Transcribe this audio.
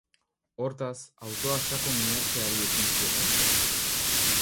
Hortaz, autoa sakon miatzeari ekin zioten.